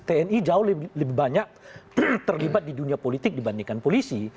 tni jauh lebih banyak terlibat di dunia politik dibandingkan polisi